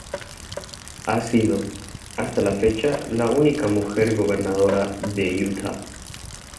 Ha sido, hasta la fecha, la única mujer gobernadora de Utah.